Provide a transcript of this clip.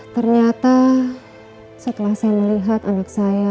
ternyata setelah saya melihat anak saya